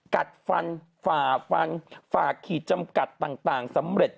กัดฟันฝ่าฟันฝ่าขีดจำกัดต่างสำเร็จ